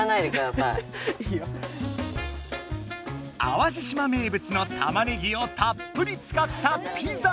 淡路島名物の玉ねぎをたっぷりつかったピザ！